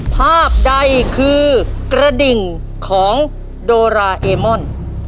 ภาพใดคือกระดิ่งของโดราเอมอน